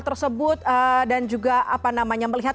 tersebut dan juga apa namanya melihat